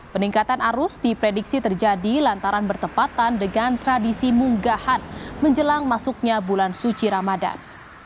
peningkatan arus diprediksi terjadi lantaran bertepatan dengan tradisi munggahan menjelang masuknya bulan suci ramadan